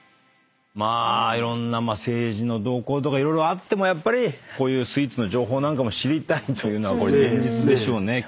まあいろんな政治の動向とか色々あってもやっぱりこういうスイーツの情報なんかも知りたいというのは現実でしょうね。